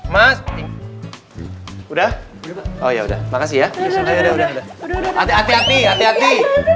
mas udah oh ya udah makasih ya ya udah udah hati hati hati hati